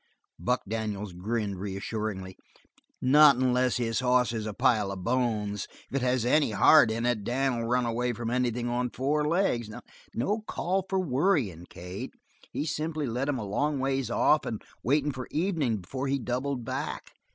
Buck Daniels grinned reassuringly. "Not unless his hoss is a pile of bones; if it has any heart in it, Dan'll run away from anything on four legs. No call for worryin', Kate. He's simply led 'em a long ways off and waited for evenin' before he doubled back.